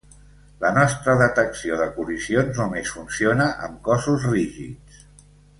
La nostra detecció de col·lisions només funciona amb cossos rígids.